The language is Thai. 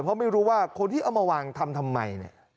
เพราะไม่รู้ว่าคนที่เอามาวางทำทำไมเนี่ย